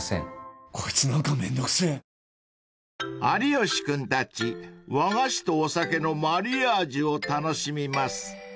［有吉君たち和菓子とお酒のマリアージュを楽しみます］